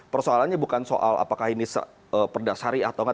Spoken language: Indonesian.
persoalannya bukan soal apakah ini perdasari atau nggak